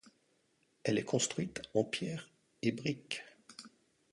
Elle est construite en pierre et brique.